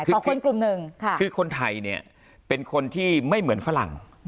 แต่คนกลุ่มหนึ่งคือคนไทยเนี่ยเป็นคนที่ไม่เหมือนฝรั่ง